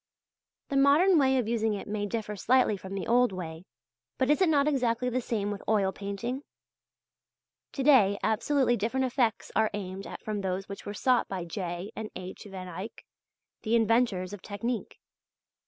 The modern way of using it may differ slightly from the old way; but is it not exactly the same with oil painting? To day absolutely different effects are aimed at from those which were sought by J. and H. van Eyck, the inventors of technique.